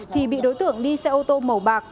thì bị đối tượng đi xe ô tô màu bạc